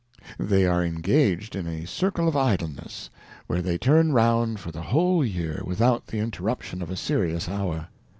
They are ingaged in a Circle of Idleness, where they turn round for the whole Year, without the Interruption of a serious Hour.